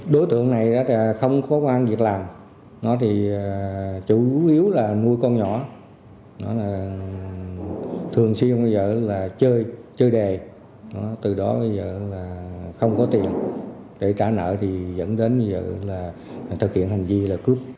đối tượng này không có quan việc làm chủ yếu là mua con nhỏ thường xuyên bây giờ là chơi đề từ đó bây giờ là không có tiền để trả nợ thì dẫn đến bây giờ là thực hiện hành vi là cướp